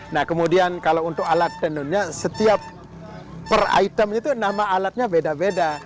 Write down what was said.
nah kemudian kalau untuk alat tenunnya setiap per item itu nama alatnya beda beda